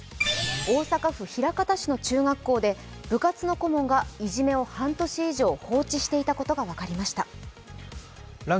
大阪府枚方市の中学校で部活の顧問がいじめを半年以上放置していたことが分かりました。